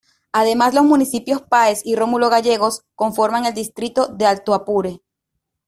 Además, los municipios Páez y Rómulo Gallegos conforman el Distrito del Alto Apure.